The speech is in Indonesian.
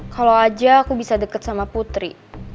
kalau aja aku bisa deket sama putri